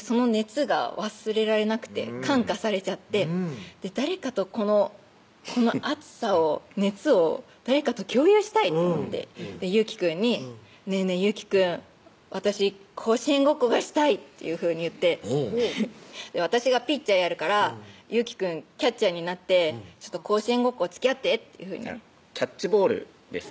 その熱が忘れられなくて感化されちゃって誰かとこの熱さを熱を誰かと共有したいと思って祐樹くんに「ねぇねぇ祐樹くん」「私甲子園ごっこがしたい」っていうふうに言って「私がピッチャーやるから祐樹くんキャッチャーになって甲子園ごっこつきあって」っていうふうにキャッチボールです